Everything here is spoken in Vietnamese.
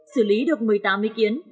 xử lý được một mươi tám ý kiến